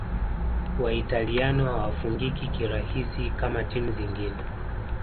Waitaliano hawafungiki kirahisi kama timu zingine